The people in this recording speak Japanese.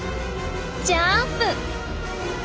ジャンプ！